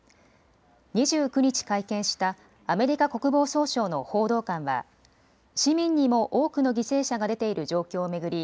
２９日、会見したアメリカ国防総省の報道官は市民にも多くの犠牲者が出ている状況を巡り